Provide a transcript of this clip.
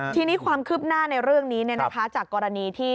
ทีนี้ความคืบหน้าในเรื่องนี้จากกรณีที่